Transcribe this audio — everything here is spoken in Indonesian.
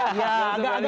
instagram baliho ya